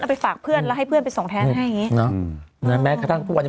เอาไปฝากเพื่อนแล้วให้เพื่อนไปส่งแทนให้